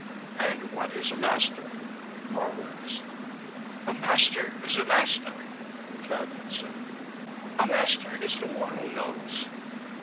"And what is a master?" Marvor asked. "A master is a master," Cadnan said. "A master is the one who knows."